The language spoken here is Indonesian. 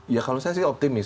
ya kalau saya sih optimis